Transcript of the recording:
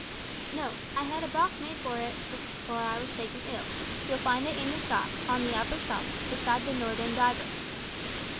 "No, I had a box made for it before I was taken ill. You'll find it in the shop, on the upper shelf, beside the northern diver."